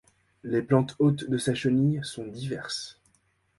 Les plantes hôtes de sa chenille sont diverses.